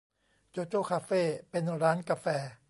โจโจ้คาเฟ่ เป็นร้านกาแฟ